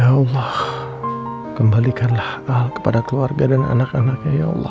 ya allah kembalikanlah al kepada keluarga dan anak anaknya